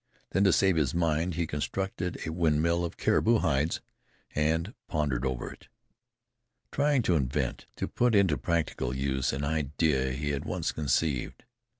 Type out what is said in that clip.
Then to save his mind he constructed a windmill of caribou hides and pondered over it trying to invent, to put into practical use an idea he had once conceived.